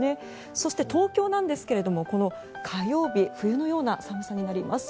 そして、東京なんですが火曜日冬のような寒さになります。